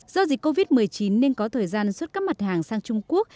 do dịch covid một mươi chín nên có thời gian xuất các mặt hàng sang trung quốc